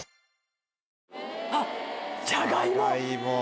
あっ！